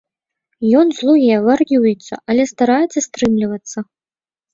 Ён злуе, вар'юецца, але стараецца стрымлівацца.